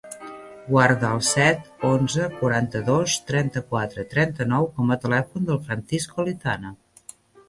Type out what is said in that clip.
Guarda el set, onze, quaranta-dos, trenta-quatre, trenta-nou com a telèfon del Francisco Lizana.